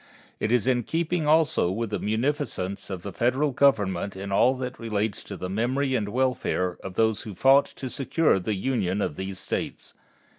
It is in keeping also with the munificence of the Federal Government in all that relates to the memory and the welfare of those who fought to secure the Union of these States.